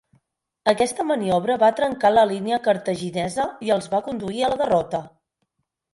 Aquesta maniobra va trencar la línia cartaginesa i els va conduir a la derrota.